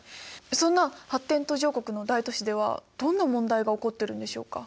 そんな発展途上国の大都市ではどんな問題が起こってるんでしょうか？